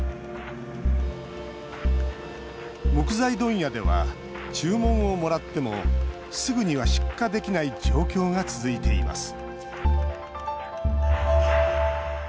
木材問屋では、注文をもらってもすぐには出荷できない状況が続いています